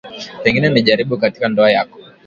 Pengine ni jaribu katika ndoa yako.